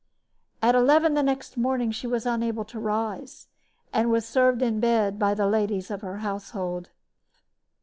At eleven the next morning she was unable to rise and was served in bed by the ladies of her household.